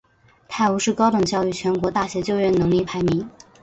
泰晤士高等教育全球大学就业能力排名。